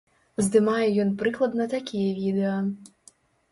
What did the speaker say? Здымае ён прыкладна такія відэа.